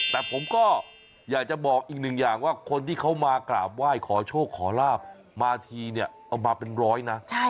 แต่ผมก็อยากจะบอกอีกหนึ่งอย่างว่าคนที่เขามากราบไหว้ขอโชคขอลาบมาทีเนี่ยเอามาเป็นร้อยนะ